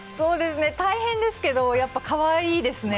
大変ですけど、やっぱりかわいいですね。